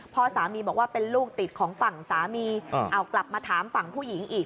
พ่อสามีบอกว่าเป็นลูกติดของฝั่งสามีเอากลับมาถามฝั่งผู้หญิงอีก